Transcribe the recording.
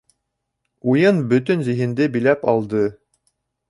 Уйын бөтөн зиһенде биләп алды.